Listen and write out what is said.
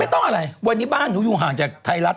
ต้องอะไรวันนี้บ้านหนูอยู่ห่างจากไทยรัฐ